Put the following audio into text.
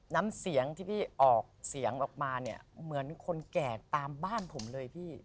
น้ำเสียงที่พี่ออกเสียงออกมาเนี่ยเหมือนคนแก่ตามบ้านผมเลยพี่